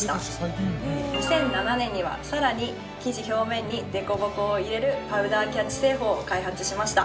２００７年にはさらに生地表面に凸凹を入れるパウダーキャッチ製法を開発しました。